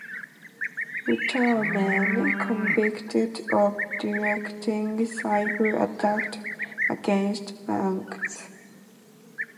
Utah man convicted of directing cyber-attack against banks.